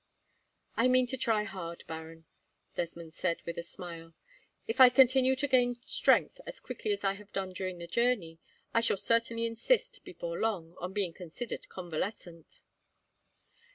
"I mean to try hard, Baron," Desmond said, with a smile. "If I continue to gain strength as quickly as I have done during the journey, I shall certainly insist, before long, on being considered convalescent."